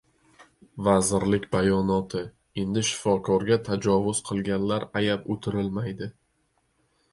Vazirlik bayonoti: "Endi shifokorga tajovuz qilganlar ayab o‘tirilmaydi..."